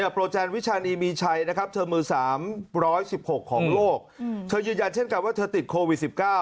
โปรแนนวิชานีมีชัยนะครับเธอมือ๓๑๖ของโลกเธอยืนยันเช่นกันว่าเธอติดโควิด๑๙